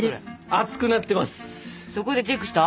熱くなってます。